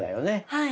はい。